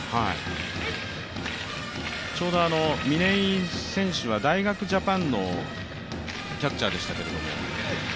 ちょうど嶺井選手は大学ジャパンのキャッチャーでしたけども。